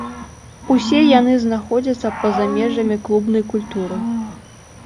Усе яны знаходзяцца па-за межамі клубнай культуры.